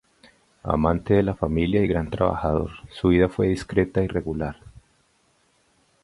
Amante de la familia y gran trabajador, su vida fue discreta y regular.